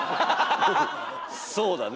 そうだね。